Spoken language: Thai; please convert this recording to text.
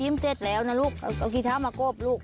จิ้มเสร็จแล้วนะลุกเอาคีย์เท้ามาโกบลุก